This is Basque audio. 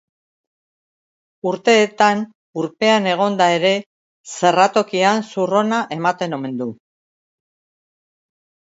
Urteetan urpean egonda ere, zerratokian zur ona ematen omen du.